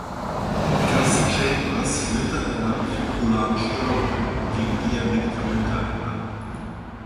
Gus Chambers litt an einer bipolaren Störung, gegen die er Medikamente einnahm.